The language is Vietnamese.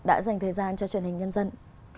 đã dành thời gian cho truyền hình nhân dân